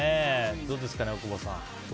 どうですかね、大久保さん。